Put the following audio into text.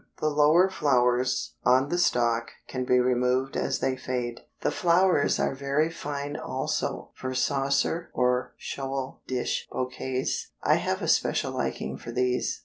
The lower flowers on the stalk can be removed as they fade. The flowers are very fine also for saucer or shoal dish bouquets. I have a special liking for these.